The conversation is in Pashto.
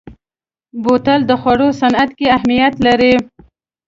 بوتل د خوړو صنعت کې اهمیت لري.